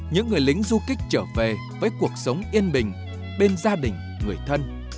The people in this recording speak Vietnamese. những người lính du kích trở về với cuộc sống yên bình bên gia đình người thân